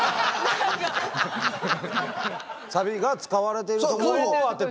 サビが使われてるところを当てて。